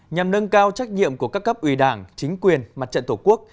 nhằm nâng cao trách nhiệm của các cấp ủy đảng chính quyền mặt trận tổ quốc